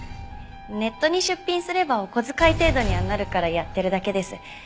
ネットに出品すればお小遣い程度にはなるからやってるだけです。